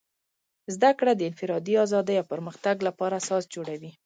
زدهکړه د انفرادي ازادۍ او پرمختګ لپاره اساس جوړوي.